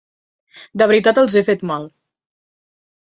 De veritat els he fet mal.